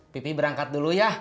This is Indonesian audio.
pipi berangkat dulu ya